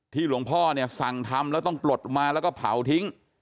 ที่หลวงพ่อฝั่งทำแล้วต้องปลดมาแล้วก็เผาทิ้ง